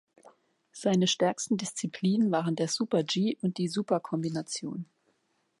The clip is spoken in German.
Seine stärksten Disziplinen waren der Super-G und die Super-Kombination.